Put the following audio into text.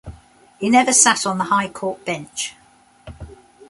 He never sat on the High Court bench.